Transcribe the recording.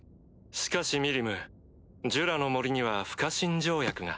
しかしミリムジュラの森には不可侵条約が。